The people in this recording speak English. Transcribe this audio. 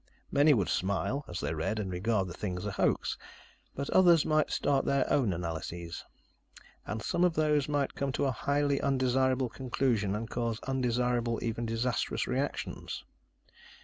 Many would smile as they read and regard the thing as a hoax. But others might start their own analyses. And some of those might come to highly undesirable conclusions and cause undesirable, even disastrous, reactions.